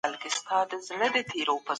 وطن د شهیدانو په وینو ګټل سوی دی.